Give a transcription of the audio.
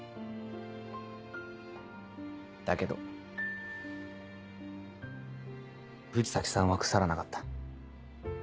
だけど藤崎さんは腐らなかった。